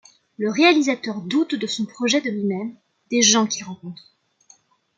Le réalisateur doute de son projet, de lui-même, des gens qu'il rencontre.